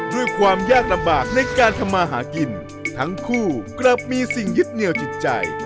ด้วยความยากลำบากในการทำมาหากินทั้งคู่กลับมีสิ่งยึดเหนียวจิตใจ